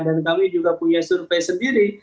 kami juga punya survei sendiri